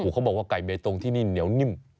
เขาบอกว่าไก่เบตงที่นี่เหนียวนิ่ม